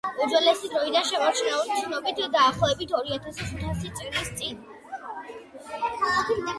უძველესი დროიდან შემორჩენილი ცნობით, დაახლოებით ორიათს ხუთასი წლის წინ,